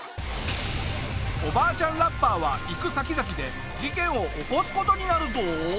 おばあちゃんラッパーは行く先々で事件を起こす事になるぞ！